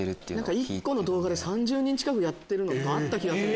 １個の動画で３０人近くやってるのがあった気がする。